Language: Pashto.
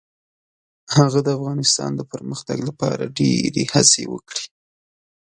هغه د افغانستان د پرمختګ لپاره ډیرې هڅې وکړې.